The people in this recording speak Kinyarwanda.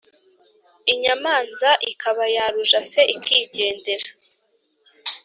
inyamanza ikaba yarujase ikigendera.